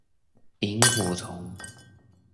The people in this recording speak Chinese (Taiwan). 螢火蟲